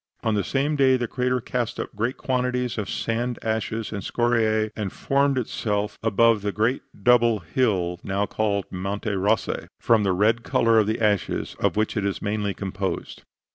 On the same day the crater cast up great quantities of sand, ashes and scoriae, and formed above itself the great double coned hill now called Monte Rossi, from the red color of the ashes of which it is mainly composed.